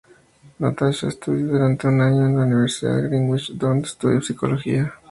Natasha estudió durante un año en la Universidad de Greenwich, donde estudió psicología.